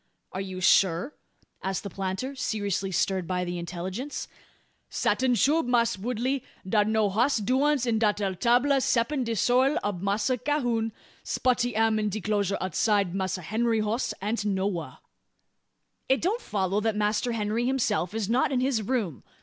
"Are you sure?" asked the planter, seriously stirred by the intelligence. "Satin, shoo, Mass' Woodley. Dar's no hoss doins in dat ere 'table, ceppin de sorrel ob Massa Cahoon. Spotty am in de 'closure outside. Massa Henry hoss ain't nowha." "It don't follow that Master Henry himself is not in his room.